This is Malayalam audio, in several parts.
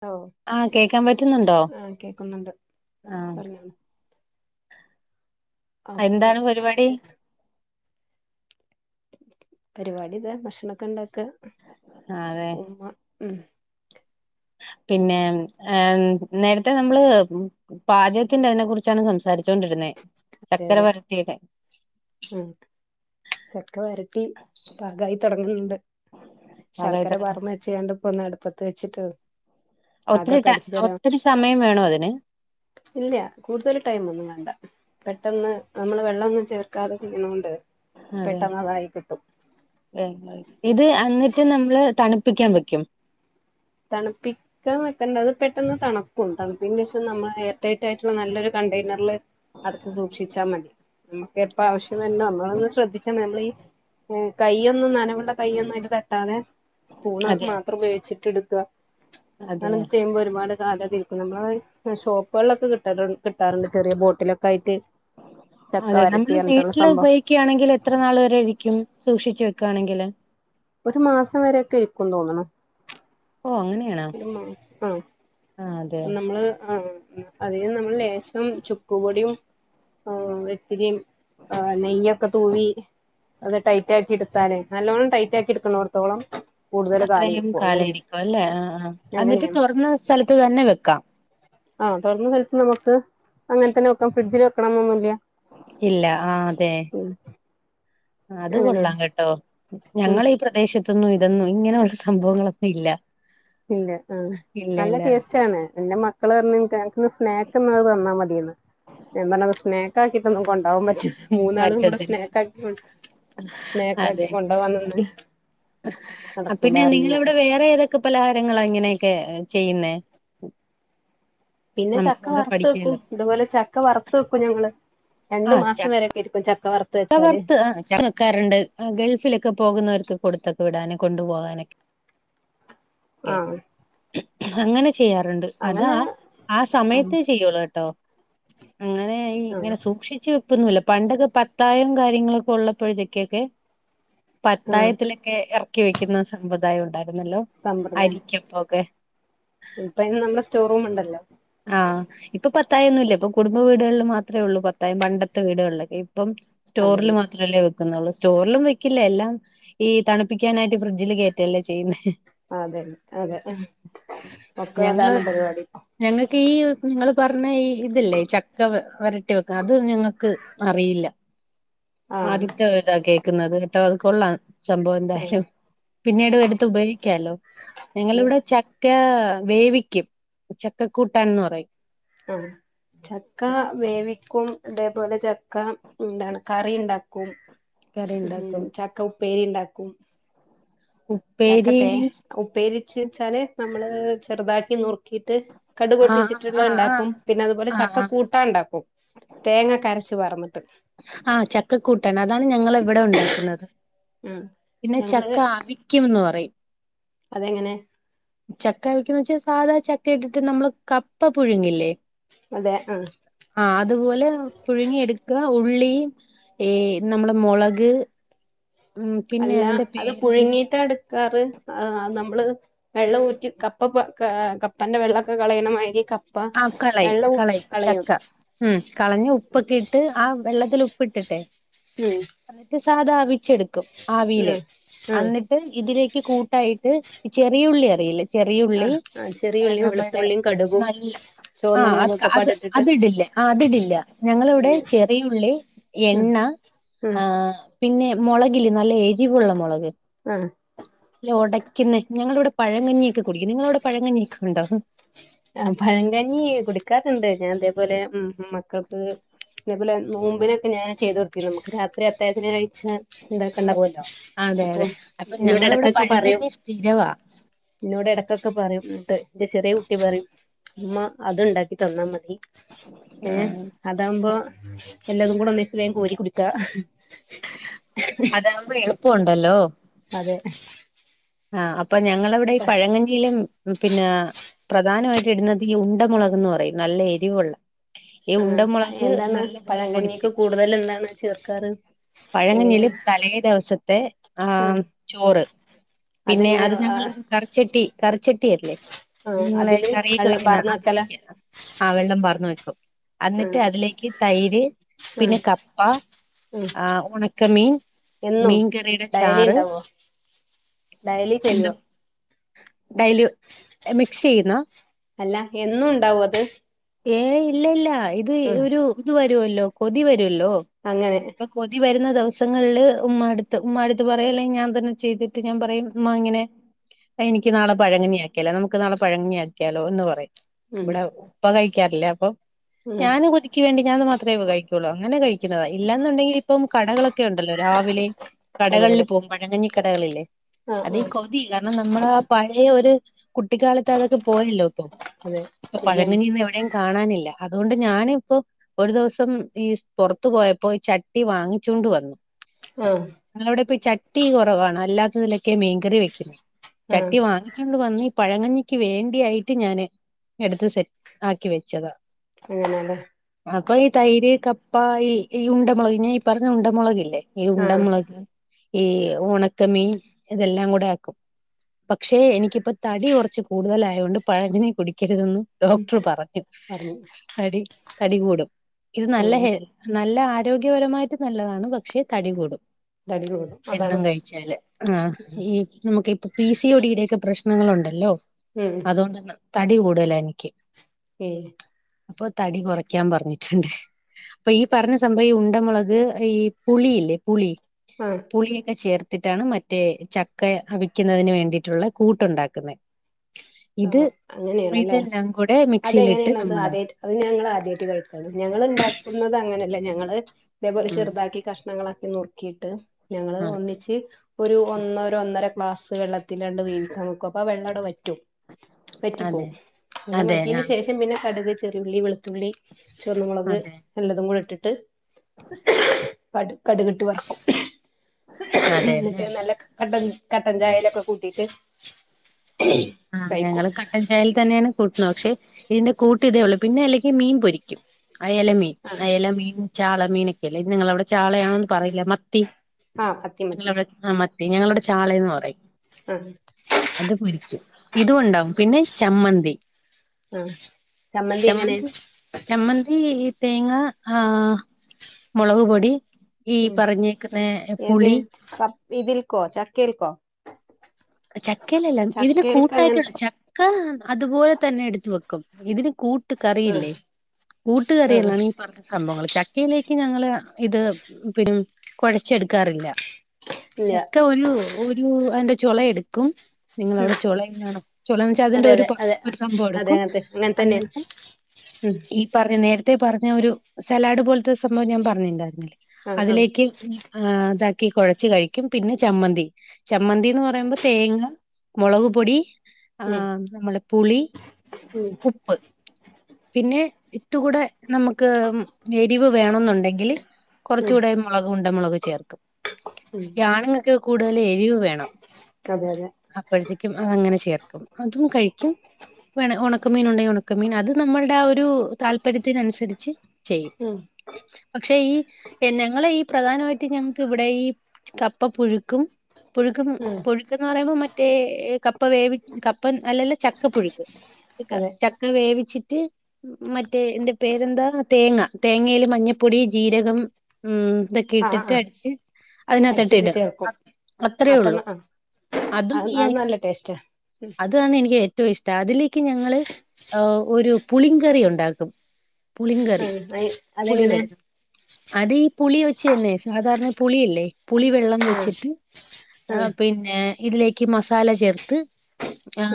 ഔ ആ കേക്കാൻ പറ്റുന്നുണ്ടോ? ആ കേക്കുന്നുണ്ട്. ആഹ് പറഞ്ഞോളു അയ് എന്താണ് പരിപാടി. പരിപാടി ഇതാ ഭക്ഷണൊക്കെണ്ടൊക്ക. ആഹ് അതെ ഉമ്മ ഉം പിന്നെ ഏ നേരത്തെ നമ്മള് പാചകത്തിന്റെ അതിനെ കുറിച്ചാണ് സംസാരിച്ചൊണ്ടിരുന്ന. അതെ ചക്കര അതെ വരട്ടിയേന്റെ ഉം ചക്ക വര ട്ടി പാഗായി തൊട്ങ്ന്ന്ണ്ട് ശർക്കര പാർന്ന്. ചെയ്യാണ്ട്പ്പൊന്ന് അടുപ്പത്ത് വെച്ചിട്ടൊ ഒത്തിരി ട്ട ഒത്തിരി സമയം വേണോ അതിന്. ഇല്ല്യ കൂടുതല് ടൈമൊന്നും വേണ്ട. പെട്ടെന്ന് നമ്മള് വെള്ളൊന്നും ചേർക്കാതെ ചെയ്യ്ണോണ്ട് പെട്ടെന്നതായി കിട്ടും. ഏ ഇത് അന്നിട്ട് നമ്മള് തണുപ്പിക്ക്യാ വെക്ക്യും. തണുപ്പി ക്കാം വക്കണ്ട അത് പെട്ടെന്ന് തണുക്കും തണുപ്പിന്നേഷം നമ്മള് എയർടൈറ്റ് ആയിട്ടുള്ള നല്ലൊരു കണ്ടെയ്നർല്. അട്ച്ച് സൂക്ഷിച്ചാ മതി നമ്മുക്കെപ്പ ആവശ്യം വര്ണോ അമ്മളൊന്ന് ശ്രദ്ധിച്ചാ നമ്മളീ ഉം കയ്യൊന്നും നനവ്ള്ള കയ്യൊന്നും അയ്ല് തട്ടാതെ. സ്പൂണ് അതെ മാത്രം ഉപയോഗിച്ചിട്ട്ട്ക്കാ അതെ ങ്ങനൊക്കെ ചെയ്യുമ്പൊ ഒരുപാട്. കാലൊക്കിര്ക്കും നമ്മളതയ് എ ഷോപ്പൾലൊക്കെ കിട്ടല് കിട്ടാറ്ണ്ട് ചെറ്യേ ബോട്ടിലൊക്കായിട്ട്. അതെ നമ്മള് വീട്ടില് ഉപയ് ക്ക്യാണെങ്കില് എത്ര നാള് വരെരിക്ക്യും സൂക്ഷിച്ചു വെക്കാണെങ്കില്. ഒരു മാസം വരക്കെ ഇര്ക്കും തോന്ന്ണ്. ഓഹ് അങ്ങനെ. ഇട്മാ ആഹ്. അതെ നമ്മള് ആഹ് അതിന് നമ്മള് ലേശം ചുക്ക് പൊട്യും. ആവാം വെത്തിരിം ആഹ് നെയ്യൊക്കെ തൂവി. അത് ടൈറ്റാക്കി ഇട്ത്താലേ നല്ലോണം ടൈറ്റാക്കി ഇട്ക്ക്ണോട്ത്തോളം. അത്രയും കാലയിരിക്കു അല്ലേ ആഹ് ആഹ് അന്നിട്ട് അങ്ങനെയാണ് തൊർന്ന സ്ഥലത്ത് തന്നെ വെക്കാം. ആഹ് തൊർന്ന സ്ഥലത്ത് നമ്ക്ക് അങ്ങൻ തന്നെ വെക്കാം ഫ്രിഡ്ജില് വെക്കണന്നൊന്നുല്ല. ഇല്ല ആഹ് തെ അത് കൊള്ളാം അങ്ങനെയാണ് കെട്ടോ. ഉം ഞങ്ങളീ പ്രദേശത്തൊന്നും ഇതൊന്നും ഇങ്ങനെ ഉള്ള സംഭവങ്ങളൊന്നു ഇല്ല. ഇല്ല ആഹ് ഇല്ല നല്ല ഇല്ല ടേസ്റ്റാണ് എന്റെ മക്കള് പർഞ്ഞ് ഇൻക ഇന്ന് സ്നേക്ക്ന്നഹ് തന്നാ മതിയന്ന് ഞാ പർഞ്ഞപ്പ സ്നേക്കാക്കിട്ടൊന്നും കൊണ്ടാവാ പറ്റൂല. മൂന്നാളും കൂടെ പറ്റത്തില്ല. സ്നേകാക്കി കൊ സ്നേക്കാക്കി കൊണ്ടവാം നിന്നല്. അപ്പന്നി നിങ്ങളവിടെ വേറെ ഏതൊക്കെ പലഹാരങ്ങള ഇങ്ങനെയെക്കെ ചെയ്യുന്നെ. പിന്നെ നമുക്ക് ചക്ക കൂടെ വറ്ത്ത് വെക്കും പഠിക്കാലോ. ഇതുപോലെ ചക്ക വറ്ത്ത് വെക്കും ഞങ്ങള്. രണ്ടു മാസം വരേക്കെ ഇര്ക്കും ചക്ക വർ ക്ക വർത്ത് ആ ചക്ക രണ്ട് ആഹ് ഗൾഫിലൊക്കെ പോകുന്നവര്ക്ക് കൊടുത്തൊക്കെ വിടാന് കൊണ്ടു പോവാനൊക്കെ. കെ ആഹ് അങ്ങനെ. ചെയ്യാറ്ണ്ട് അതാ അങ്ങനെ ആ ആഹ് സമയത്തേ ചെയ്യുള്ളൂ കെട്ടോ അങ്ങനെ. ആഹ് ഇങ്ങനെ സൂക്ഷിച്ച് വെപ്പൊന്നുല്ല പണ്ടൊക്കെ പത്തായം കാര്യങ്ങളൊക്കെ ഉള്ളപ്പോഴ്ത്തെക്കെക്കെ. ആഹ് പത്തായത്തിലെക്കെ എർക്കി വെക്ക്യുന്ന സമ്പ്രദായം ഉണ്ടായിരുന്നല്ലോ. അരിക്ക്യപ്പൊകെ. ഇപ്പയ്ന് നമ്മളെ സ്റ്റോറൂമ്ണ്ടല്ലോ. ആഹ്. ഇപ്പ പത്തായൊന്നുല്ല ഇപ്പ കുടുംബ വീടുകൾല് മാത്രേ ഒള്ളൂ പത്തായം പണ്ടത്തെ വീടുകൾലൊക്കെ ഇപ്പം. അതെ സ്റ്റോറ്ല് അതെ മാത്രല്ലേ വെ ക്ക്ന്നൊള്ളൂ സ്റ്റോറ്ലും വെക്ക്യില്ല എല്ലാം ഈ തണുപ്പിക്ക്യാനായിട്ട് ഫ്രിഡ്ജില് കേറ്റല്ലേ ചെയ്യുന്നെ. അതന്നെ അതെ ഒക്ക അതാണ് പര്പാടി. ഞങ്ങക്കീ നിങ്ങള് പർഞ്ഞ ഈ ഇത് ല്ലേ ചക്ക വ വരട്ടി വെക്ക അത് ഞങ്ങക്ക് അറിയില്ല ആഹ് ആദ്യത്ത ഇതാ കേക്ക്ന്നത് ട്ടോ അത് കൊള്ളാം. സംഭവ ഉം എന്തായ്ലും പിന്നീട് എടുത്ത് ഉപയോഗിക്ക്യാലോ ഞങ്ങളിവിടെ ച ക്കാ വേവിക്ക്യും ചക്കക്കൂട്ടാൻന്ന് പറയും. ആഹ്. ചക്ക വേവിക്കും അതേപോലെ ചക്ക ന്താണ് കറി ഇണ്ടാക്കും. ചക്കക്കറി ഉം ഉണ്ടാക്കും ചക്ക ഉപ്പേരി ഇണ്ടാക്കും. ചക്ക ഉപ്പേരി തേ മീൻസ് ഉപ്പേരിച്ച് ച്ചാല് നമ്മള് ചെറ്താക്കി നുർക്കീട്ട്. കട്ക് ആഹ് പൊട്ടിച്ചിട്ടുള്ളത് ആഹ് ആഹ് ഇണ്ടാക്കും പിന്നെ അതുപോലെ ആഹ് ചക്ക ആഹ് കൂട്ടാം ഇണ്ടാക്കും ആഹ് ചക്കക്കൂട്ടാൻ അതാണ് ഞങ്ങള് ഇവിടെ ഉണ്ടാക്കുന്നത് ഉം പിന്നെ ചക്ക ഞങ്ങള് അവിക്ക്യൂംന്ന് പറയും അതെങ്ങനെ ചക്ക വെക്കുന്ന വെച്ചാ സാധാ ചക്ക ഇട്ടിട്ട് നമ്മള് കപ്പ പുഴുങ്ങില്ലേ അതെ ആഹ് ആ അതുപോലെ പുഴുങ്ങി എടുക്കാ ഉള്ളി ഏ നമ്മള് മുളക് ഉം പിന്നെ അല്ല അതിന്റെ അത് പേരെന്താ പുഴുങ്ങീട്ടാ എടുക്കാറ് ആ നമ്മള് വെള്ളം ഊറ്റി കപ്പ കപ്പന്റെ വെള്ളക്കൊ കളയണമാതിരി ആ കളയും വെള്ളം ഊറ്റി കളയും ചക്ക ഉം കളഞ്ഞ് ഉപ്പൊക്കെ ഇട്ട് ആ വെള്ളത്തിൽ ഉപ്പിട്ടിട്ട് ഉം എന്നിട്ട് സാധാവിച്ചെടുക്കും ആവില് ആ ആ അന്നി ഇതിലേക്ക് കൂട്ടായിട്ട് ഈ ചെറിയ ഉള്ളി അറീലേ ചെറിയ ആ ഉള്ളി ആ ചെറിയുള്ളിയും നമ്മൾടെ വെളുത്തുള്ളിയും കടുകും നല്ല അ ചുവന്ന അത് മുളകൊക്കെപ്പാടെ ഇട്ടിട്ട് അതിടില്ല അതിടില്ല ഞങ്ങളിവിടെ ചെറിയ ഉള്ളി ഉം എണ്ണ ഉം ആ പിന്നെ മുളകില്ലേ നല്ല എരിവുള്ള മുളക് ആഹ് നല്ല ഉടയ്ക്കുന്ന ഞങ്ങളിവിടെ പഴങ്ങഞ്ഞിയൊക്കെ കുടിക്കും നിങ്ങളവിടെ പഴങ്ങന്നിയൊക്കെ ഉണ്ടോ ആ പഴങ്കഞ്ഞി കുടിക്കാറുണ്ട് ഞാൻ ഇതേപോലെ ഉം ഉം മക്കൾക്ക് ഇതുപോലെ നോമ്പിനൊക്കെ ഞാൻ ചെയ്തു കൊടുത്തിന് നമ്മുക്ക് രാത്രി അത്താഴത്തിന് കഴിച്ചാൽ ഇതൊക്കെണ്ടാവുല്ലൊ അതെ അപ്പെ അതെ അപ്പൊ ഇന്നോട് ഞങ്ങളിവിടെ ഇടക്കൊക്കെപറയും പഴങ്കഞ്ഞി സ്ഥിരവാ ഇന്നോട് എടയ്ക്കൊക്കെ പറയും ഫുഡ് എന്റെ ചെറിയ കുട്ടി പറയും ഉമ്മ അത്ണ്ടാക്കി തന്നാമതി ഏ ആ അതാകുമ്പോ എല്ലതും കൂടെ ഒന്നിച്ച് കോരി കുടിക്കാ അതാവുമ്പോ എളുപ്പണ്ടല്ലോ അതെ ആഹ് അപ്പൊ ഞങ്ങളവിടെ ഈ പഴകഞ്ഞിയിലും പിന്നെ പ്രധ ധാനമായിട്ട് ഇടുന്നത് ഈ ഉണ്ട മുളകന്ന് പറയും നല്ല എരിവുള്ള ഈ ആഹ് ഉണ്ടമുളക് എന്താണ് നല്ല പോലെ പൊടിച്ച് പഴകഞ്ഞിക്ക് കൂടുതൽ എന്താണ് ചേർക്കാറ് പഴകഞ്ഞിയില് എങ്ങനെയാണ് തലേ ദിവസത്തെ ആ ആഹ് ചോറ് പിന്നെ അതെങ്ങനെ അത് ഞങ്ങള് ആഹ് കറി ചട്ടി കറി ചട്ടി അല്ലേ ആഹ് നിങ്ങളെ അതില് കറിയൊക്കെ വെള്ളം വെക്കുന്ന പാർന്ന് വെക്കല അതിലേക്ക് ആ വെള്ളം വാർന്നു വെക്കും അന്നിട്ട് ആഹ് അതിലേക്ക് തൈര് ആഹ് പിന്നെ കപ്പ ഉം ആ ഉണക്ക മീൻ എന്നും മീൻകറിയുടെ ഡയലി ചാറ് ഇണ്ടാവോ ഡയലി ചെയ്യുവോ ഡയല് മിക് സെയ്യുന്ന അല്ല എന്നും ഉണ്ടാവോ അത് ഏ ഇല്ല ഇല്ല ഇത് ആഹ് ഒരുഇത് വരുല്ലോ കൊതി വരുല്ലോ അങ്ങനെ കൊതി വരുന്ന ദിവസങ്ങളില് ഉമ്മാട്ത്ത് ഉമ്മാട്ത്ത് പറയും അല്ലെങ്കിൽ ഞാൻ തന്നെ ചെയ്തിട്ട് ഞാൻ പറയും ഉമ്മാ ഇങ്ങനെ എനിക്ക് നാളെ പഴങ്കഞ്ഞി ആക്കിയാലോ നമുക്ക് നാളെ പഴങ്കഞ്ഞി ആക്കിയാലോ ഒന്ന് പറയ് ഉം ഇവിടെ ഉപ്പ കഴിക്കാറില്ലേ അപ്പൊ ഉം ഞാന് കൊതിക്ക് വേണ്ടി ഞാൻ അത്ര കഴിക്കുള്ളൂ അങ്ങനെ കഴിക്കുന്നത ഇല്ലാന്ന് ഉണ്ടെങ്കിൽ ഇപ്പം കടകളക്കെ കെ ഉണ്ടല്ലോ രാവിലെ അതെ കടകളിൽ അതെ പോകും പഴങ്ങഞ്ഞിക്കടകളില്ലേ ആഹ് അതി ആഹ് കൊ തി കാരണം നമ്മള് ആ പഴയ ഒരു കുട്ടിക്കാലത്ത് അതൊക്കെ പോയല്ലോ ഇപ്പൊ അതെ ശരിയാണ് ഇന്നെവിടെയും കാണാനില്ല അതുകൊണ്ട് ഞാനിപ്പോ ഒരു ദിവസം ഈ പുറത്തു പോയപ്പോ ഈ ചട്ടി വാങ്ങിച്ചോണ്ട് വന്നു ആഹ് ഞങ്ങളെ ഇവിടെ ഇപ്പൊ ചട്ടി കൊറവാണ് അല്ലാത്തതിലൊക്കെ മീൻകറി വെക്കും ആഹ് ചട്ടി വാങ്ങിച്ചോണ്ട് വന്ന് ഈ പഴകഞ്ഞിക്ക് വേണ്ടിയായിട്ട് ഞാന് എടുത്ത് സെറ്റ് ആക്കി വെച്ചതാ അങ്ങനെലെ അപ്പൊ ഈ തൈര് കപ്പ ഈ ഈ ഉണ്ട മോള്ക് ഞാനി പറഞ്ഞ ഉണ്ടമൊളക് ല്ലേ ഈ ആഹ് ഉണ്ടമുളക് ഈ ഒണക്കമീൻ ഇതെല്ലാം കൂടെ ആക്കും പക്ഷേ എനിക്കിപ്പം തടി കൊറച്ച് കൂടുതലയൊണ്ട് പഴകഞ്ഞി കുടിക്കരുതന്ന് ഡോക്ടർ പറഞ്ഞു പറഞ്ഞു തടി തടികൂടും ഇത് നല്ല ഉം ഹെ നല്ല ആരോഗ്യപരമായിട്ട് നല്ലതാണ് പക്ഷെ തടികൂടും തടി കൂടും അതാണ് എന്നും കഴിച്ചാല് ആഹ് ഈ നമുക്ക് ഇപ്പ പി സി ഒ ഡി ടെയൊക്കെ പ്രശ്നങ്ങളുണ്ടല്ലോ ഉം അതൊണ്ട് തടി കൂടുതല എനിക്ക് എഹ് അപ്പൊ തടി കൊറയ്ക്കാൻ പറഞ്ഞിട്ട്ണ്ട് ഇപ്പ ഈ പറഞ്ഞ സംഭവം ഈ ഉണ്ടമൊളക് ഈ പുളിയില്ലേ പുളി ആഹ് പുളിയൊക്കെ ചേർത്തിട്ടാണ് മറ്റേ ചക്ക അവിക്കുന്നതിന് വേണ്ടിയിട്ടുള്ള കൂട്ടുണ്ടാക്കുന്നത് ഇത് ഇതെല്ലാം കൂടെ മിക്സിയിലിട്ട് അതെങ്ങനെയാണ്ത് ആദ്യ നമ്മളാക്കും അത് ഞങ്ങൾ ആദ്യായിട്ട് കേക്കാണ് ഞങ്ങള്ണ്ട ന്നത് അങ്ങനെയല്ല ഞങ്ങള് ഇതേപോലെ ഉം ചെറുതാക്കി കഷ്ണങ്ങളാക്കി നുറുക്കിയിട്ട് ഞങ്ങള് ഒന്നിച്ച് ഒരു ഒന്നര ഒന്നര ക്ലാസ് വെള്ളത്തിലാണ്ട് വേവിക്കവെക്കും അപ്പ വെള്ളവിടെ വറ്റും അതെ അതെ വറ്റിപ്പോവും വെള്ളം അതെ വറ്റിയേന്റെ ആഹ് ശേഷം പിന്നെ കട്ക് ചെറിയുള്ളി വെളുത്തുള്ളി ചുവന്നമൊളക് അതെ എല്ലാതും കൂടെ ഇട്ടിട്ട് കടുകിട്ട് വറക്കും എന്നിട്ട് അതെല്ലേ നല്ല കട്ടൻ കട്ടൻചായയിലൊക്കെ കൂട്ടീട്ട് ആഹ് ഞങ്ങള് കട്ടൻ ചായേല് തന്നെയാണ് കൂട്ടുന്നത് പക്ഷെ ഇതിന്റെ കൂട്ട് ഇതേ ഒള്ളൂ പിന്നെ അല്ലെങ്കിൽ മീൻ പൊരിക്കും അയല മീൻ ആഹ് അയല മീൻ ചാളമീനൊക്കെ ല്ലേ അതിൻ നിങ്ങളവിടെ ചാളയാണന്ന് പറയില്ല മത്തി ആഹ് മത്തി മത്തി ഞങ്ങളവിടെ ആഹ് മത്തി ഞങ്ങളുടെ ചാളയന്ന് പറയും ആഹ് ന്നട്ട് പൊരിക്കും ഇതും ഉണ്ടാവും പിന്നെ ചമ്മന്തി ആഹ് ചമ്മന്തി ചമ്മന്തി തേങ്ങ ആഹ് മൊളക് പൊടി ഈ ഉം പറഞ്ഞേരക്കുന്ന ഏത് പുളി കപ് ഇതിൽക്കോ ചക്കേൽക്കോ ചക്കലല്ല ഇതിന്റെ ചക്കേൽക്ക് കൂട്ടായിട്ട് അങ്ങനത്തെ ച ക്ക അതുപോലെ തന്നെ എടുത്തു വെക്കും ഇതിന് കൂ കൂട്ട് ആഹ് കറിയില്ലേ ആഹ് കൂട്ടുകറിയല്ലാണ് ഈ പറഞ്ഞ സംഭവങ്ങള് ചക്കയിലേക്ക് ഞങ്ങള് ഇത് പിന്നെ കൊഴച്ചെടുക്കാറില്ല ഇല്ല ചക്ക ഒരു ഒരു അതിന്റെ ചൊള എടുക്കും നിങ്ങള ഉം അവിടെ ചോളാണോ ചോളന്ന് വെച്ചാൽ അതിന്റെ അതെ ഒരു അതെ അതെ ഒരു സംഭവം അതെ എടുക്കും അങ്ങനത്തെ അങ്ങനെ തന്നെയാണ് അന്നിട്ട് ഉം പറഞ്ഞ് നേരത്തെ പറഞ്ഞ ഒരു സലാഡ് പോലത്തെ സംഭവം ഞാൻ പറഞ്ഞിണ്ടായിരുന്നില്ലേ ആഹ് ആഹ് അതിലേക്ക് ആഹ് ഇതാക്കി കൊഴച്ച് കഴിക്കും പിന്നെ ചമ്മന്തി ചമ്മന്തി എന്ന് പറയുമ്പോ തേങ്ങ മൊളക് പൊടി ഉം ആഹ് നമ്മുടെ പുളി ഉം ഉപ്പ് പിന്നെ ഇട്ട് കൂടെ നമുക്ക് എരിവ് വേണെന്നുണ്ടെങ്കിൽ ഉം കുറച്ചുകൂടെ മുളക് ഉണ്ട മുളക് ചേർക്കും ഉം ഈ ആണുങ്ങൾക്ക് കൂടുതൽ എരിവ് വേണം അതെ അതെ ണം അപ്പോഴത്തേക്കും അതങ്ങനെ ചേർക്കും അതും കഴിക്കും വേ ഒണ ണക്കമീൻ ഉണ്ടെങ്കിൽ ഉണക്കമീൻ അത് നമ്മളുടെ ആ ഒരു താല്പര്യത്തിന് അനുസരിച്ച് ചെയ്യും ഉം പക്ഷെ ഈ ഞങ്ങളെ ഈ പ്രധാനമായിട്ട് ഞങ്ങക്ക് ഇവിടെ ഈ കപ്പ പുഴുക്കും പുഴുക്ക ഉം പുഴുക്കന്ന് പറയുമ്പോ മറ്റേ കപ്പ വേവി കപ്പൻ അല്ലല്ല ചക്ക പുഴുക്ക് ക- അതെ ചക്ക വേവിച്ചിട്ട് മറ്റേ എന്റെ പേരെന്താ തേങ്ങ തേങ്ങേല് മഞ്ഞപ്പൊടി ജീരകം ഉം ഇതൊക്കെ ആഹ് ഇട്ടിട്ട് ആഹ് അടിച്ച് അതിനകത്തിട്ട് അടിച്ചിട്ട് ഇട അത്രേ ഒള്ളൂ അ അത് നല്ല ടേസ്റ്റാ ഉം താണ് എനിക്ക് ഏറ്റവും ഇഷ്ടം അതിലേക്ക് ഞങ്ങള് ഒരു പുളിങ്കറി ഉണ്ടാക്കും പുളിങ്കറി ആഹ് അയ് പുളി അതെങ്ങനെ വരുന്ന അതീ പുളി വെച്ച് തന്നെ സാധാരണ പുളിയില്ലേ പുളിവെള്ളം ആഹ് വെച്ചിട്ട് ആഹ് പിന്നെ ഇതിലേക്ക് മസാല ചേർത്ത്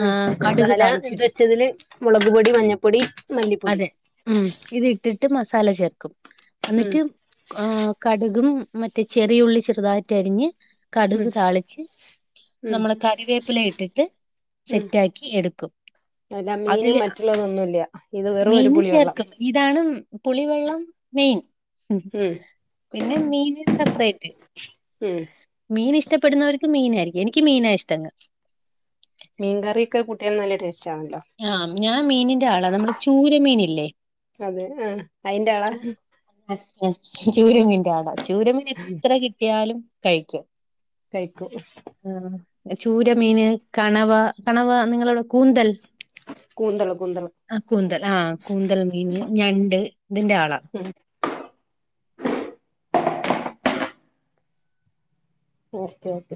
ഉം കടുക് മസാല എന്ത താളിച്ചിടും വെച്ചതില് മുളക് പൊടി മഞ്ഞപ്പൊടി മല്ലിപ്പൊടി അതെ ഉം ഇതിട്ടിട്ട് മസാല ചേർക്കും ഉം അന്നിട്ട് ആഹ് കടുകും മറ്റേ ചെറിയുള്ളി ചെറുതായിട്ട് അരിഞ്ഞ് ഉം കടുക് താളിച്ച് ഉം നമ്മളെ കറിവേപ്പില ഇട്ടിട്ട് ഉം സെറ്റാക്കി എടുക്കും അല്ല മീനും അതില് മറ്റുള്ളതൊന്നുല്ല ഇത് വെറും ഒരു മീനും പുളി വെള്ളം ചേർക്കും ഇതാണ് പുളിവെള്ളം മീൻ ഉം പിന്നെ മീന് സപ്പറേറ്റ് ഉം മീന് ഇഷ്ടപ്പെടുന്നവർക്ക് മീനായിയിരിക്കും എനിക്ക് മീനാ ഇഷ്ടങ്ങ മീൻ കറിയൊക്കെ കൂട്ടിയാൽ നല്ല ടേസ്റ്റ് ആണല്ലോ ആഹ് ഞാൻ മീനിന്റാ ആളാ നമ്മള് ചൂര മീനല്ലേ അതെ ആ അയിന്റെ ആളാ ചൂരമീന്റാ ആളാ ചൂരമീൻ എത്ര കിട്ടിയാലും കഴിക്കും കഴിക്കും ആഹ് ചൂരമീന് കണവ കണവ നിങ്ങളുടെ കൂന്തൽ കൂന്തള് കൂന്തള് ആഹ് കൂന്തൽ ആഹ് കൂന്തൽ മീന് ഞണ്ട് ഇതിന്റെ ആളാ ഉം ഓക്കേ ഓക്കെ